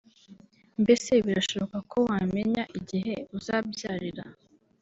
Mbese birashoboka ko wamenya igihe uzabyarira